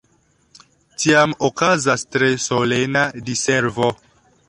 Tiam okazas tre solena Diservo.